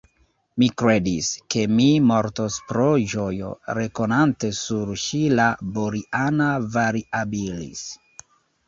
Mi kredis, ke mi mortos pro ĝojo, rekonante sur ŝi la Boriana variabilis.